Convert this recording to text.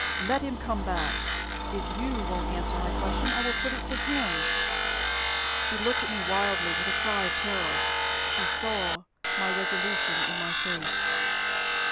"Let him come back! If you won't answer my question, I will put it to him." She looked at me wildly, with a cry of terror. She saw my resolution in my face.